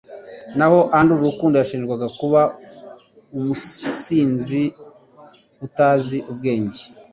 naho Andrew Rukundo yashinjwaga kuba umusinzi, utazi ubwenge